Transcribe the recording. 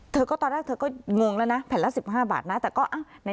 เธอก็ตอนแรกเธอก็งงแล้วนะแผ่นละ๑๕บาทนะแต่ก็อ้าวใน